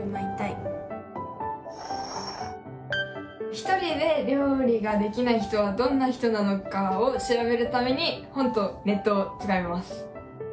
ひとりで料理ができない人はどんな人なのかを調べるために本とネットを使います。